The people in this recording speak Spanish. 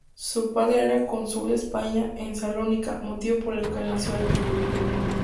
Su padre era cónsul de España en Salónica, motivo por el que nació allí.